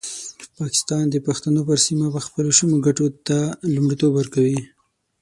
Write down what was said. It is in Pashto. پاکستان د پښتنو پر سیمه خپلو شومو ګټو ته لومړیتوب ورکوي.